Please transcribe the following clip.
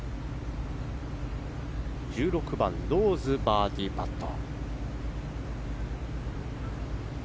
１６番、ローズバーディーパット。